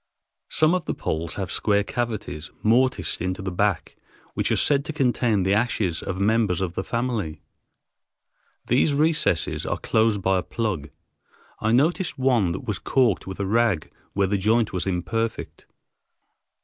Some of the poles have square cavities, mortised into the back, which are said to contain the ashes of members of the family. These recesses are closed by a plug. I noticed one that was caulked with a rag where the joint was imperfect.